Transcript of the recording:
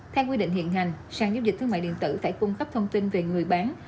theo quy định hiện hành sàn giao dịch thương mại điện tử phải cung cấp thông tin về người bán